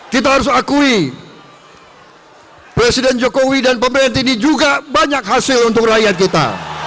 kita harus akui presiden jokowi dan pemerintah ini juga banyak hasil untuk rakyat kita